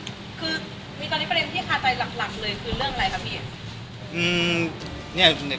คือมีตอนนี้ประเด็นที่คาใจหลักเลยคือเรื่องอะไรคะพี่